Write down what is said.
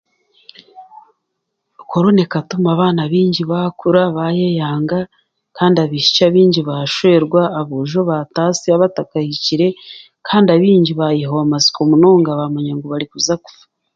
Korona ekatuma abaana baingi baakura, baayeyanga, kandi abaishiki abaingi baashwerwa, aboojo baataasya batakahikire, kandi abaingi baayehwa amatsiko munonga baamanya ngu barikuza kufa.